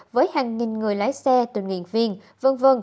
với hàng nghìn người lái xe tuyên nghiện viên v v